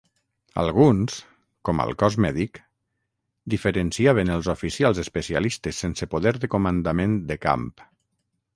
Alguns, com al Cos Mèdic, diferenciaven els oficials especialistes sense poder de comandament de camp.